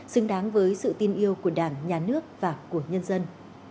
xứng đáng với sự tin yêu của đảng nhà nước và của nhân dân